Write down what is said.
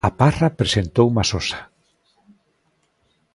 A Parra presentouma Sosa.